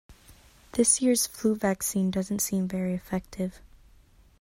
This year's flu vaccine doesn't seem very effective